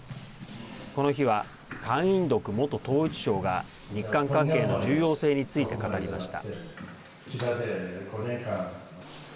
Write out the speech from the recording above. この日はカン・インドク元統一相が日韓関係の重要性について語りました。